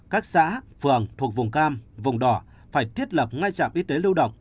các xã phường thuộc vùng cam vùng đỏ phải thiết lập ngay trạm y tế lưu động